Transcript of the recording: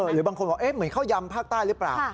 หรือบางคนบอกเหมือนข้าวยำภาคใต้หรือเปล่า